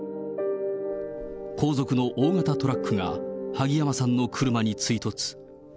後続の大型トラックが、萩山さんの車に追突。